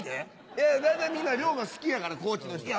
いや大体みんな龍馬好きやから高知の人って。